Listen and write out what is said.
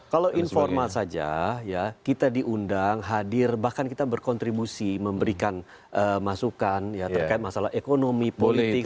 kalau informal saja ya kita diundang hadir bahkan kita berkontribusi memberikan masukan ya terkait masalah ekonomi politik